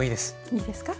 いいですか？